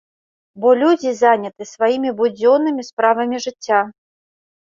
Бо людзі заняты сваімі будзённымі справамі жыцця.